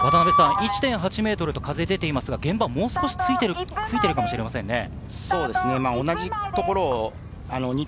１．８メートルの風が出ていますが、現場はもう少し吹いてるかもしれませんね。